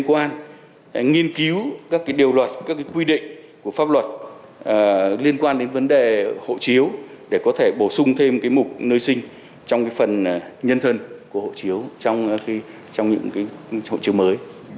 quyết định của pháp luật liên quan đến vấn đề hộ chiếu để có thể bổ sung thêm mục nơi sinh trong phần nhân thân của hộ chiếu trong những hộ chiếu mới